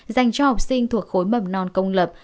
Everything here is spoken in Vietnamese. dành cho học sinh thuộc khối mầm non công lập